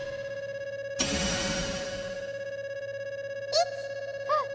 あっあっ！